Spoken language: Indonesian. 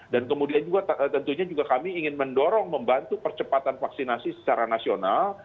dan kemudian juga tentunya kami ingin mendorong membantu percepatan vaksinasi secara nasional